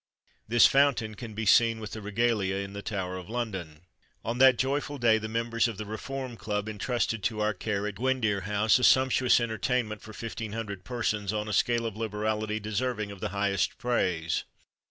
This fountain can be seen, with the regalia, in the Tower of London. On that joyful day the members of the Reform Club intrusted to our care, at Gwyrdir House, a sumptuous entertainment for fifteen hundred persons, on a scale of liberality deserving of the highest praise.